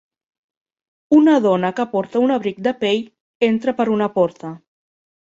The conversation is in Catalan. Una dona que porta un abric de pell entra per una porta